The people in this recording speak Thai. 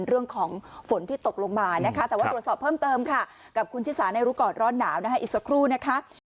เรื่องของฝนที่ตกลงมานะครับ